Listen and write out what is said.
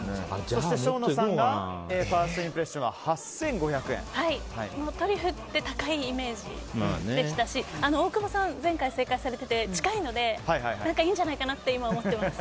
そして生野さんがファーストインプレッショントリュフって高いイメージでしたし大久保さん、前回正解されてて近いので、いいんじゃないかなと思ってます。